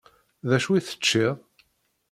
Dacu i teččiḍ?